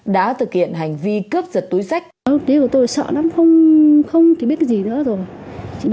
đã thực hiện hành vi cướp giật túi sách